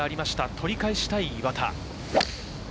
取り返したい岩田。